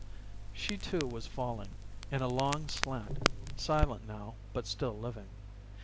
She too was falling, in a long slant, silent now but still living.